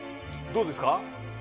どうですか？